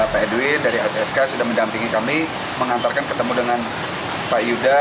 pak edwin dari lpsk sudah mendampingi kami mengantarkan ketemu dengan pak yuda